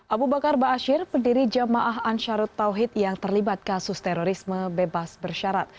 abu bakar ba'asyir pendiri jamaah ansharut tauhid yang terlibat kasus terorisme bebas bersyarat